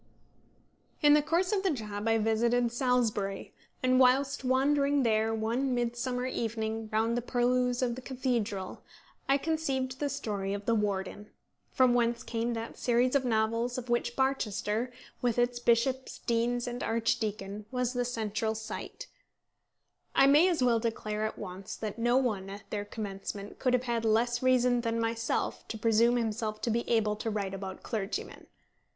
In the course of the job I visited Salisbury, and whilst wandering there one midsummer evening round the purlieus of the cathedral I conceived the story of The Warden, from whence came that series of novels of which Barchester, with its bishops, deans, and archdeacon, was the central site. I may as well declare at once that no one at their commencement could have had less reason than myself to presume himself to be able to write about clergymen.